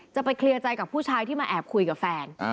จะไปเคลียร์ใจกับผู้ชายที่มาแอบคุยกับแฟน